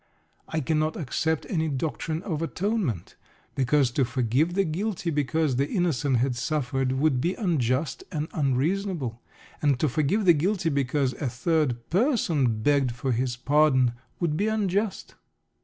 I cannot accept any doctrine of atonement. Because to forgive the guilty because the innocent had suffered would be unjust and unreasonable, and to forgive the guilty because a third person begged for his pardon would be unjust.